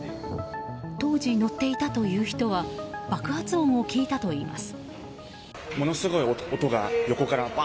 当時、乗っていたという人は爆発音を聞いたといいます。